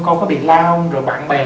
con có bị la không rồi bạn bè